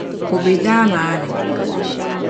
O be daa maa ni.